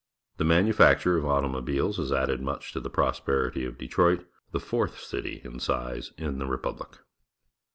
The manufacture of automobiles has added much to the prosperity of Detroit, the fourth city in size in the Republic.